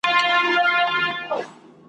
د شته من په کور کي غم دوی ته مېله وه `